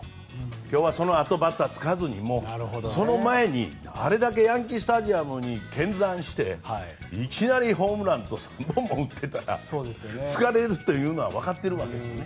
今日は、このあとバッターに使わずにその前にあれだけヤンキー・スタジアムに見参していきなりホームランをボンボン打ってたら疲れるのは分かってるわけですよね。